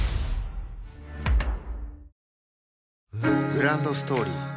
グランドストーリー